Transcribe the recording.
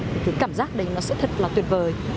thì cái cảm giác đấy nó sẽ thật là tuyệt vời